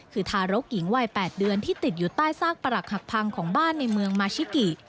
คือทารกหญิงวัย๘เดือนที่ติดอยู่ใต้ซากปรักหักพังของบ้านในเมืองมาชิกิ